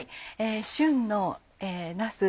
旬のなす